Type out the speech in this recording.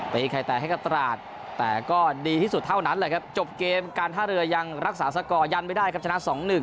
ไข่แตกให้กับตราดแต่ก็ดีที่สุดเท่านั้นแหละครับจบเกมการท่าเรือยังรักษาสกอร์ยันไม่ได้ครับชนะ๒๑